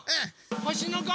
ほしのこ。